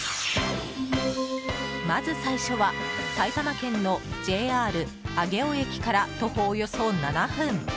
まず最初は埼玉県のＪＲ上尾駅から徒歩およそ７分。